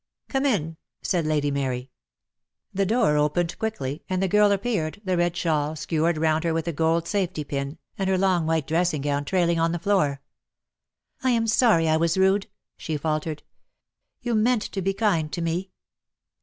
"Come in," said Lady Mary. Dead Luve has Chains. S 1 8 DEAD LOVE HAS CHAINS. The door opened quickly, and the girl appeared, the red shawl skewered round her with a gold safety pin, and her long white dressing gown trailing on the floor. "I am sorry I was rude," she faltered. "You meant to be kind to me."